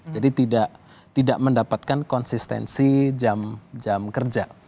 jadi tidak mendapatkan konsistensi jam kerja